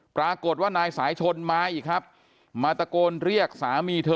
ปรากฏว่านายสายชนมาอีกครับมาตะโกนเรียกสามีเธอ